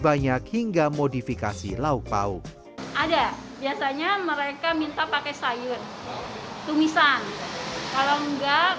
banyak hingga modifikasi lauk pauk ada biasanya mereka minta pakai sayur tumisan kalau enggak